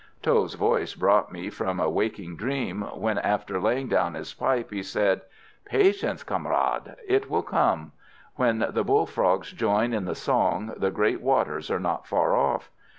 Tho's voice brought me from a waking dream when, after laying down his pipe, he said: "Patience, camarade! It will come. When the bull frogs join in the song the great waters are not far off.